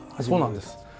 そうなんです。